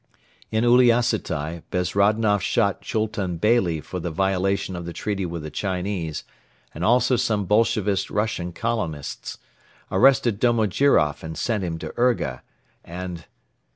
In Uliassutai Bezrodnoff shot Chultun Beyli for the violation of the treaty with the Chinese, and also some Bolshevist Russian colonists; arrested Domojiroff and sent him to Urga; and